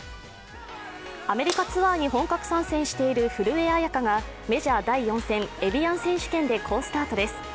アメリカツアーに本格参戦している古江彩佳がメジャー第４戦、エビアン選手権で好スタートです。